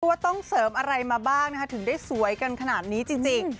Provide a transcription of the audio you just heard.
ว่าต้องเสริมอะไรมาบ้างนะคะถึงได้สวยกันขนาดนี้จริง